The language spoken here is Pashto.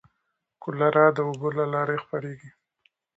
کولرا د اوبو له لارې خپرېږي.